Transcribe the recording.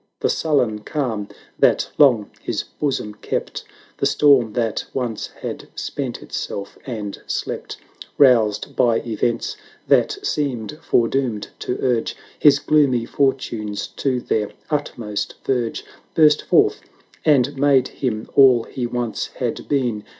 The sullen calm that long his bosom kept. The storm that once had spent itself and slept, Roused by events that seemed fore doomed to urge His gloomy fortunes to their utmost verge, 890 Burst forth, and made him all he once had been.